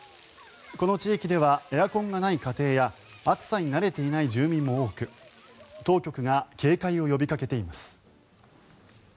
この地域ではエアコンがない家庭や暑さに慣れていない住民も多く当局が警戒を呼びかけています。